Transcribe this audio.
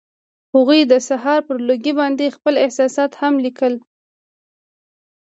هغوی د سهار پر لرګي باندې خپل احساسات هم لیکل.